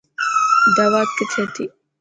داوت ڪٿي هتي.